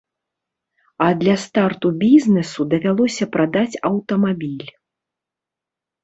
А для старту бізнэсу давялося прадаць аўтамабіль.